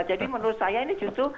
jadi menurut saya ini justru